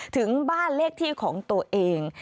ถึงบ้านเลขที่ของตัวเอง